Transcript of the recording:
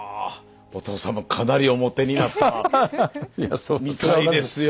お父さんもかなりおモテになったみたいですよ。